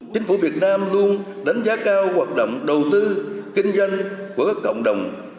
chính phủ việt nam luôn đánh giá cao hoạt động đầu tư kinh doanh của các cộng đồng